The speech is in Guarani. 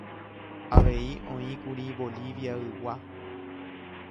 Avei oĩkuri Boliviaygua.